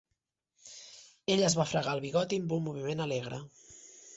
Ell es va fregar el bigoti amb un moviment alegre.